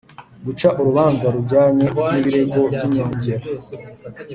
Guca urubanza rujyanye n’ ibirego by’ inyongera